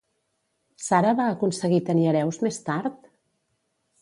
Sara va aconseguir tenir hereus, més tard?